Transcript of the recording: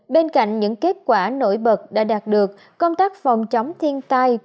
bên cạnh những kết quả nổi bật đã đạt được công tác phòng chống thiên tai